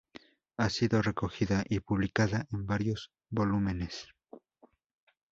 Ha sido recogida y publicada en varios volúmenes.